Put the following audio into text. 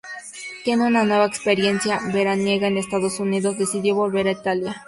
Tras una nueva experiencia veraniega en Estados Unidos, decidió volver a Italia.